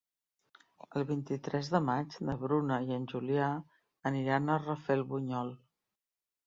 El vint-i-tres de maig na Bruna i en Julià aniran a Rafelbunyol.